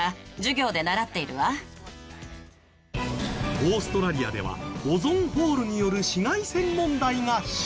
オーストラリアではオゾンホールによる紫外線問題が深刻。